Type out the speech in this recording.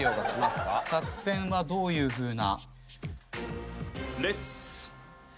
作戦はどういうふうな？